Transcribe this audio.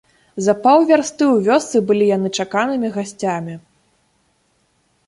За паўвярсты ў вёсцы былі яны чаканымі гасцямі.